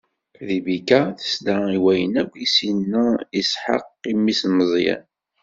Ribika tesla i wayen akk i s-inna Isḥaq i mmi-s Meẓyan.